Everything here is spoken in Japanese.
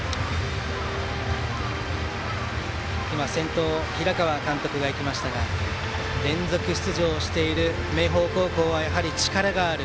先頭、平川監督が行きましたが連続出場している明豊高校はやはり力がある。